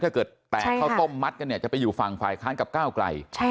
ถ้าเกิดแตกข้าวต้มมัดกันเนี่ยจะไปอยู่ฝั่งฝ่ายค้านกับก้าวไกล